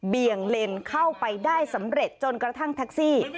งเลนเข้าไปได้สำเร็จจนกระทั่งแท็กซี่